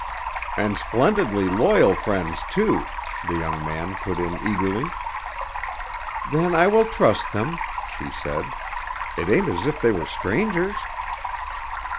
"And splendidly loyal friends too," the young man put in eagerly. "Then I will trust them," she said. "It isn't as if they were strangers."